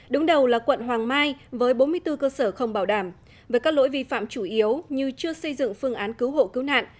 đúng đầu là quận hoàng mai với bốn mươi bốn cơ sở không bảo đảm với các lỗi vi phạm chủ yếu như chưa xây dựng phương án cứu hộ cứu nạn